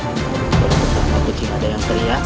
tidak ada yang percaya